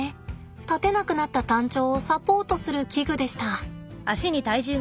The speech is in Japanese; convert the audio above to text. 立てなくなったタンチョウをサポートする器具でした。